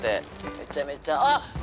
めちゃめちゃあっ